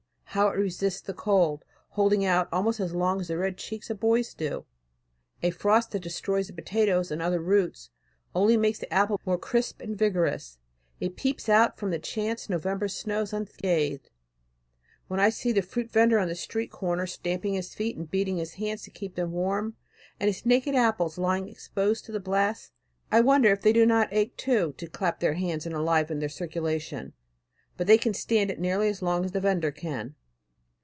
How it resists the cold! holding out almost as long as the red cheeks of the boys do. A frost that destroys the potatoes and other roots only makes the apple more crisp and vigorous; it peeps out from the chance November snows unscathed. When I see the fruit vender on the street corner stamping his feet and beating his hands to keep them warm, and his naked apples lying exposed to the blasts, I wonder if they do not ache too to clap their hands and enliven their circulation. But they can stand it nearly as long as the vender can.